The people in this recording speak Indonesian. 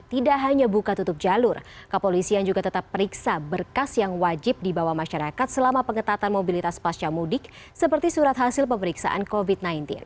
tidak hanya buka tutup jalur kepolisian juga tetap periksa berkas yang wajib dibawa masyarakat selama pengetatan mobilitas pasca mudik seperti surat hasil pemeriksaan covid sembilan belas